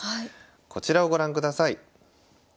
こちらをご覧ください。